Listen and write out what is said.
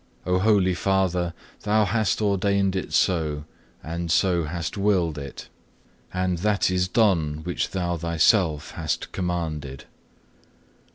O Holy Father, thou hast ordained it so, and so hast willed it; and that is done which Thou Thyself hast commanded.